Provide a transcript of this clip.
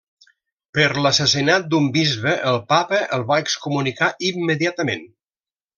Per l'assassinat d'un bisbe el papa el va excomunicar immediatament.